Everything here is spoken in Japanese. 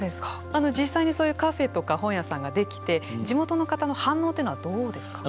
実際にそういうカフェとか本屋さんが出来て地元の方の反応っていうのはどうですか。